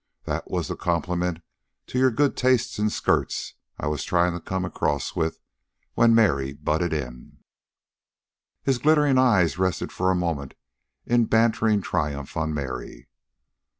That was the compliment to your good taste in skirts I was tryin' to come across with when Mary butted in." His glittering eyes rested for a moment in bantering triumph on Mary.